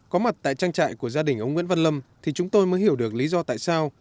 có mặt tại trang trại của gia đình ông nguyễn văn lâm thì chúng tôi mới hiểu được lý do tại sao